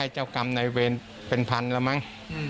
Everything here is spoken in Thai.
อ๋อชื่อกรรมในเวรเป็นพันและมั้ง